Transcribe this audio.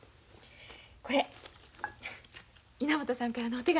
これ稲本さんからのお手紙。